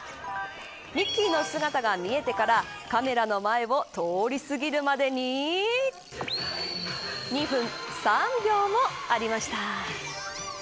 ミッキーの姿が見えてからカメラの前を通り過ぎるまでに２分３秒もありました。